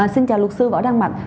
xin chào luật sư võ đan mạch